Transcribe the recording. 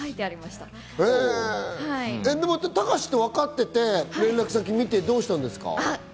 たかしってわかってて、連絡先見てどうしたんですか？